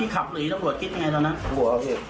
กลัวเขาอยู่